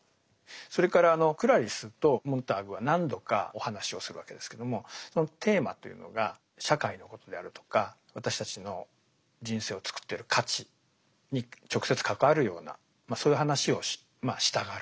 それからクラリスとモンターグは何度かお話をするわけですけどもそのテーマというのが社会のことであるとか私たちの人生をつくってる価値に直接関わるようなまあそういう話をしたがる。